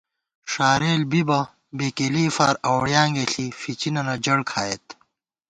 ݭارېل بی بہ بېکېلےفار اوڑیانگےݪی فِچِنَنَہ جڑ کھائیت